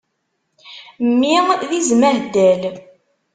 Mmi d izem aheddal.